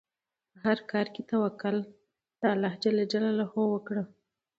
په هر کار کې توکل په خدای وکړئ.